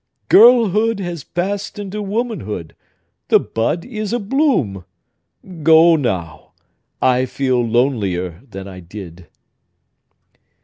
Girlhood has passed into womanhood; the bud is a bloom! Go, now—I feel lonelier than I did."